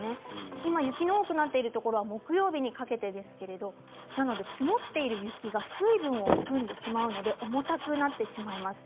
今、雪の多くなってるところ木曜日にかけてですけれどもなので積もっている雪が水分を含んでしまうので重たくなってしまいます。